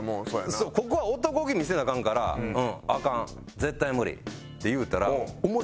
ここは男気見せなアカンから「アカン。絶対無理」って言うたら。